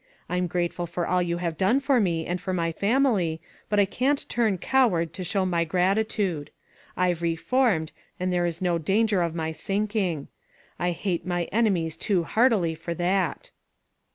I'm grateful for all you have done for me, and for my family, but I can't turn coward to show my grati tude. I've reformed, and there is no danger of my sinking. I hate my enemies too heartily for that."